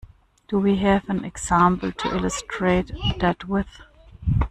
Do we have an example to illustrate that with?